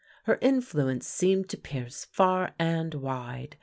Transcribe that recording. Her influence seemed to pierce far and wide.